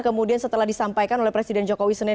kemudian setelah disampaikan oleh presiden joko widodo